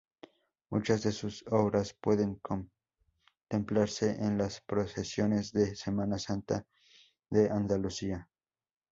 Muchas de sus obras pueden contemplarse en las procesiones de Semana Santa de Andalucía.